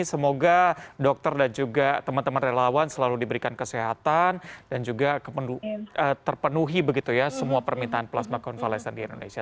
semoga dokter dan juga teman teman relawan selalu diberikan kesehatan dan juga terpenuhi begitu ya semua permintaan plasma konvalesen di indonesia